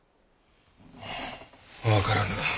分からぬ。